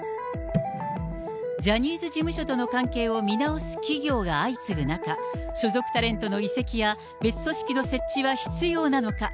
ジャニーズ事務所との関係を見直す企業が相次ぐ中、所属タレントの移籍や別組織の設置は必要なのか。